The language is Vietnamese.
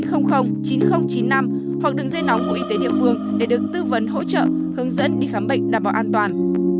hoặc đường dây nóng của y tế địa phương để được tư vấn hỗ trợ hướng dẫn đi khám bệnh đảm bảo an toàn